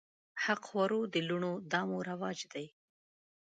حق خورو د لوڼو دا مو رواج دی